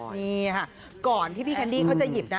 นี่ค่ะก่อนที่พี่แคนดี้เขาจะหยิบนะ